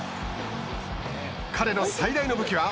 彼の最大の武器は。